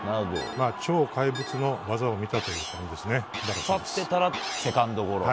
超怪物の技を見たという感じですね。